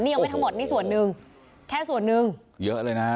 ยังไม่ทั้งหมดนี่ส่วนหนึ่งแค่ส่วนหนึ่งเยอะเลยนะฮะ